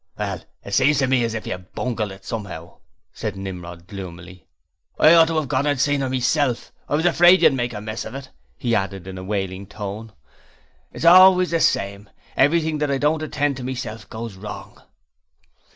'Well, it seems to me as you've bungled it somehow,' said Nimrod, gloomily. 'I ought to have gone and seen 'er myself, I was afraid you'd make a mess of it,' he added in a wailing tone. 'It's always the same; everything that I don't attend to myself goes wrong.'